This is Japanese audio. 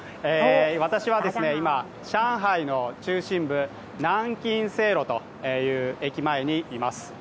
私は今、上海の中心部、南京西路駅という駅前にいます。